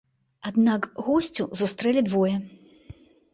Аднак госцю сустрэлі двое.